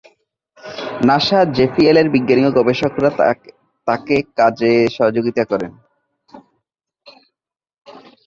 নাসা-জেপিএলের বিজ্ঞানী ও গবেষকরা এ কাজে তাকে সহযোগিতা করেন।